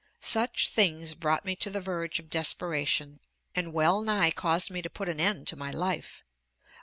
_ Such things brought me to the verge of desperation, and well nigh caused me to put an end to my life.